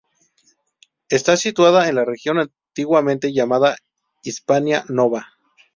Está situada en la región antiguamente llamada Hispania Nova.